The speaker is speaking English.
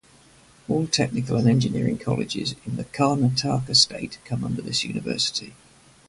All technical and engineering colleges in the Karnataka State come under this University.